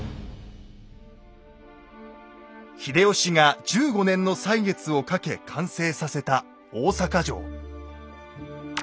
秀吉が１５年の歳月をかけ完成させた大坂城。